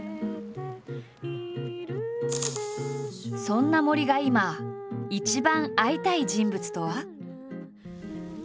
そんな森が今一番会いたい人物とは。